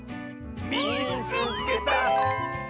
「みいつけた！」。